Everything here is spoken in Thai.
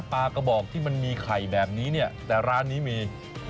กระบอกที่มันมีไข่แบบนี้เนี่ยแต่ร้านนี้มี